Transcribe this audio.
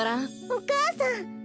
お母さん！